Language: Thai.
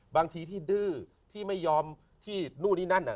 บางทีที่ดื้อที่ไม่ยอมที่นู่นนี่นั่นน่ะ